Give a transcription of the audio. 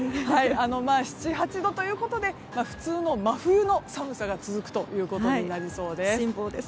７８度ということで普通の真冬の寒さが続くということになりそうです。